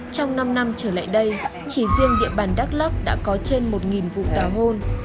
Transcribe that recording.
trong năm năm trở lại đây chỉ riêng địa bàn đắk lóc đã có trên một vụ tảo hôn